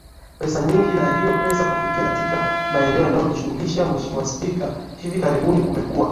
pesa nyingi na hiyo pesa kufika katika maeneo yanayohusika Mheshimiwa Spika hivi karibuni kumekuwa